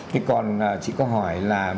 thế còn chị có hỏi là